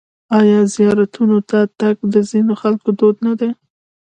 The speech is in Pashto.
آیا زیارتونو ته تګ د ځینو خلکو دود نه دی؟